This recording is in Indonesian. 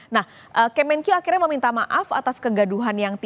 nah kemenkyu akhirnya meminta maaf atas kegaduhan yang terjadi